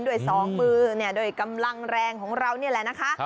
ด้วยสองมือด้วยกำลังแรงของเรานี่แหละนะคะ